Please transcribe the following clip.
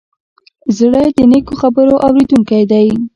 زړه د نیکو خبرو اورېدونکی دی.